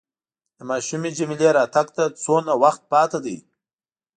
د ماشومې جميله راتګ ته څومره وخت پاتې دی؟